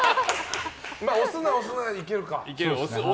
押すな、押すなはいけるか。